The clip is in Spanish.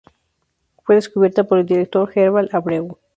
Fue descubierta por el director Herval Abreu.